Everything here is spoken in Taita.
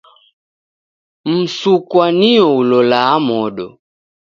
Msukwa nio ulolaa modo.